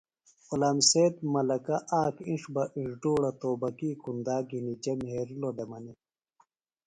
غلام سید ملکہ آک اِنڇ بہ اڙدوڑہ توبکی کُنداک گِھنی جے مھیرِلوۡ دےۡ منیۡ